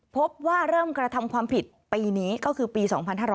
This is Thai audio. พบว่าเริ่มกระทำความผิดปีนี้ก็คือปี๒๕๕๙